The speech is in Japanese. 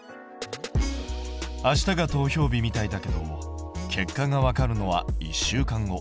明日が投票日みたいだけど結果がわかるのは１週間後。